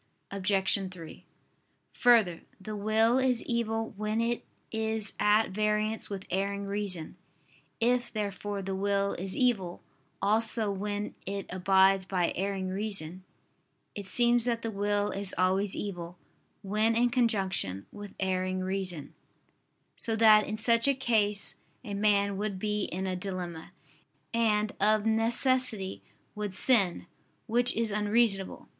Obj. 3: Further, the will is evil when it is at variance with erring reason. If, therefore, the will is evil also when it abides by erring reason, it seems that the will is always evil when in conjunction with erring reason: so that in such a case a man would be in a dilemma, and, of necessity, would sin: which is unreasonable.